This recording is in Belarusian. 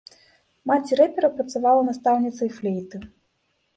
Маці рэпера працавала настаўніцай флейты.